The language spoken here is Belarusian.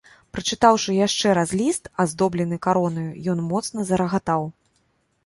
Прачытаўшы яшчэ раз ліст, аздоблены каронаю, ён моцна зарагатаў.